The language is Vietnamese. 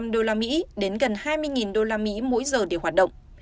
một mươi sáu bảy trăm linh đô la mỹ đến gần hai mươi đô la mỹ mỗi giờ để hoạt động